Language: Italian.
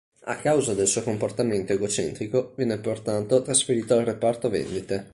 A causa del suo comportamento egocentrico viene pertanto trasferito al reparto vendite.